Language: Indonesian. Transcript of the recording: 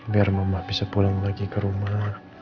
biar mama bisa pulang lagi ke rumah